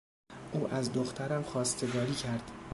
او از دخترم خواستگاری کرد.